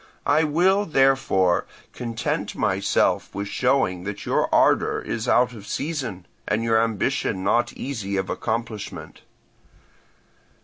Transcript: I will, therefore, content myself with showing that your ardour is out of season, and your ambition not easy of accomplishment.